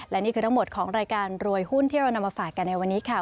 และนี่คือทั้งหมดของรายการรวยหุ้นที่เรานำมาฝากกันในวันนี้ค่ะ